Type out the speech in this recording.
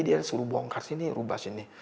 dia disuruh bongkar sini rubah sini